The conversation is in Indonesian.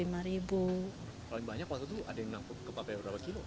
paling banyak waktu itu ada yang berapa kilo